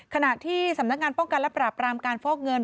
ขณะที่สำนักงานป้องกันและปราบรามการฟอกเงิน